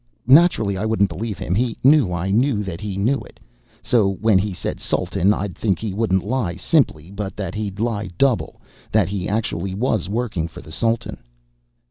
"Naturally I wouldn't believe him. He knew I knew that he knew it. So when he said 'Sultan', I'd think he wouldn't lie simply, but that he'd lie double that he actually was working for the Sultan."